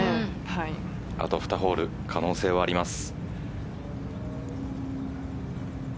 あと２ホール可能性はあります。